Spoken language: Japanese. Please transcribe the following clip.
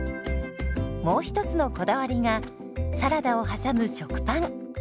もう一つのこだわりがサラダを挟む食パン。